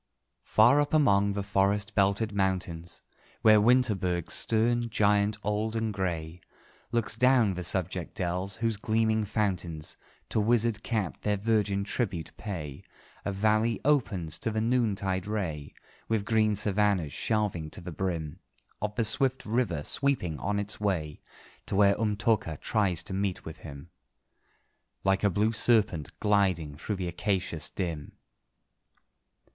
_ Far up among the forest belted mountains, Where Winterberg, stern giant old and grey, Looks down the subject dells, whose gleaming fountains To wizard Kat their virgin tribute pay, A valley opens to the noontide ray, With green savannahs shelving to the brim Of the swift river, sweeping on its way To where Umtóka tries to meet with him, Like a blue serpent gliding through the acacias dim.